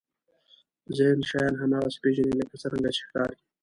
ذهن شیان هماغسې پېژني لکه څرنګه چې ښکاري.